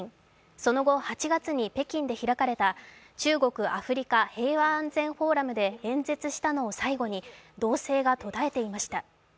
その後、８月に北京で開かれた中国アフリカ平和安全フォーラムで演説したのを最後に動静が途絶えていました。